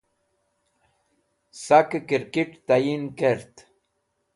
Sakey Kirkit Tatyin Kert